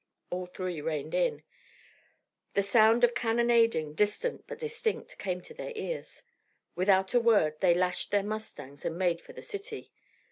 All three reined in. The sound of cannonading, distant but distinct, came to their ears. Without a word they lashed their mustangs and made for the city.